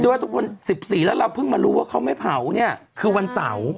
ว่าทุกคน๑๔แล้วเราเพิ่งมารู้ว่าเขาไม่เผาเนี่ยคือวันเสาร์